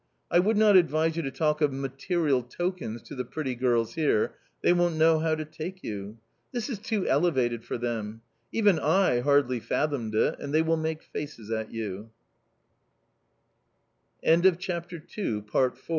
I would not advise you to talk of material tokens to the pretty girls here ; they won't know how to take you ! This is too elevated for them ; even I hardly fathomed it, and they will make faces at you."